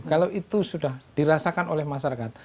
kalau itu sudah dirasakan oleh masyarakat